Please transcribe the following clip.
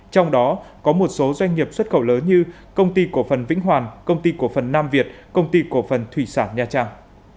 trong đó có một số doanh nghiệp xuất khẩu lớn như công ty cổ phần vĩnh hoàn công ty cổ phần nam việt công ty cổ phần thủy sản nha trang